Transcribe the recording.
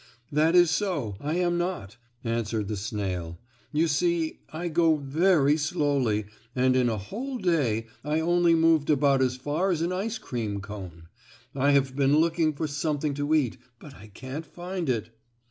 "That is so, I am not," answered the snail. "You see I go very slowly and in a whole day I only moved about as far as an ice cream cone. I have been looking for something to eat, but I can't find it."